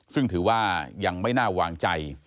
ซึ่งถือว่ายังไม่น่าวางใจ